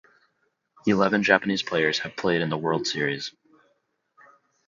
Eleven Japanese players have played in the World Series.